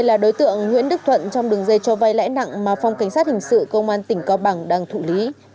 là đối tượng nguyễn đức thuận trong đường dây cho vay lãi nặng mà phòng cảnh sát hình sự công an tỉnh cao bằng đang thụ lý